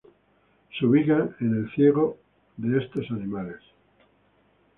Se ubican en el ciego de estos animales.